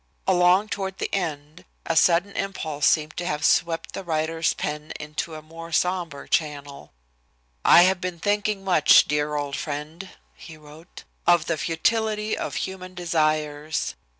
Along toward the end a sudden impulse seemed to have swept the writer's pen into a more sombre channel. "I have been thinking much, dear old friend," he wrote, "of the futility of human desires.